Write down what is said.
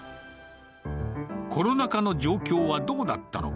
コロナ禍の状況はどうだったのか。